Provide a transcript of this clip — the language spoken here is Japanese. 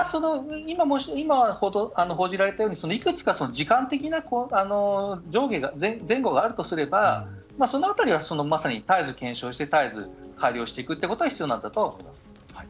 今、報じられたようにいくつか時間的な前後があるとすればその辺りはまさに絶えず検証して絶えず改良していくことが必要だと思います。